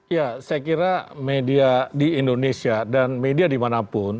ya saya kira media di indonesia dan media dimanapun